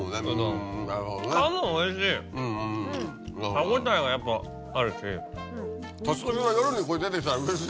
歯応えがやっぱあるし。